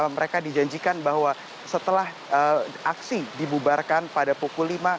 mereka dijanjikan bahwa setelah aksi dibubarkan pada pukul lima